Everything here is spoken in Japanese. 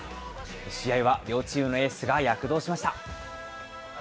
試合は両チームのエースが躍動しました。